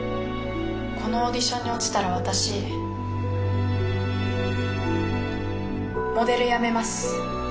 このオーディションに落ちたら私モデル辞めます。